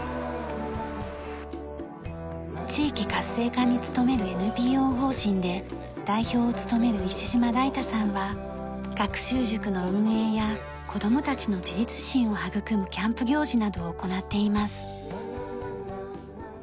地域活性化に努めるＮＰＯ法人で代表を務める石島来太さんは学習塾の運営や子供たちの自立心を育むキャンプ行事などを行っています。